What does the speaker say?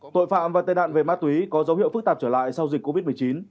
tội phạm và tệ nạn về ma túy có dấu hiệu phức tạp trở lại sau dịch covid một mươi chín